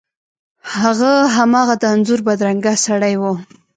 هغه هماغه د انځور بدرنګه سړی و.